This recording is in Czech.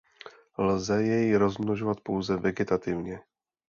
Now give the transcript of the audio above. Lze jej rozmnožovat pouze vegetativně.